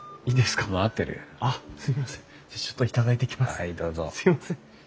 すいません。